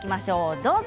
どうぞ。